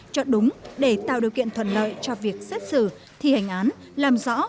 chọn đúng để tạo điều kiện thuận lợi cho việc xét xử thi hành án làm rõ